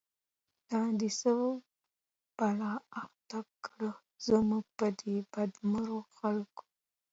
دا دی څه بلا اخته کړه، زموږ په دی بد مرغو خلکو